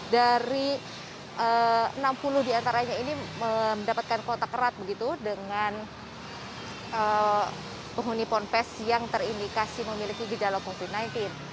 dari enam puluh diantaranya ini mendapatkan kontak erat begitu dengan penghuni ponpes yang terindikasi memiliki gejala covid sembilan belas